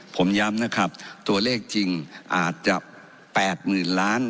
ผมย้ำนะครับตัวเลขจริงอาจจะ๘๐๐๐ล้าน